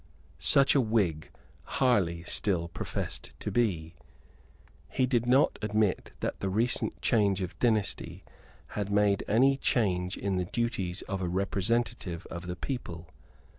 Such a Whig Harley still professed to be. He did not admit that the recent change of dynasty had made any change in the duties of a representative of the people.